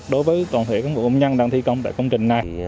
đối với toàn thể cán bộ công nhân đang thi công tại công trình này